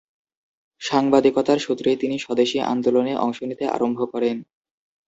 সাংবাদিকতার সূত্রেই তিনি স্বদেশী আন্দোলনে অংশ নিতে আরম্ভ করেন।